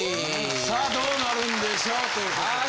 さあどうなるんでしょうということで。